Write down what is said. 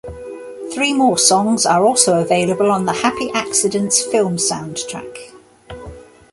Three more songs are also available on the "Happy Accidents" film soundtrack.